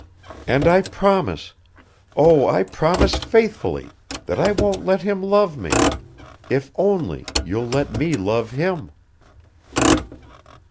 And I promise ... oh, I promise faithfully, that I won't let him love me ... if only you'll let me love him."